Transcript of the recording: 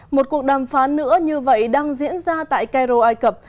một cuộc đàm phán nữa như vậy đang diễn ra tại cairo ai cập